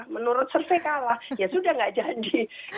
menurut survei kalah ya sudah gak jadi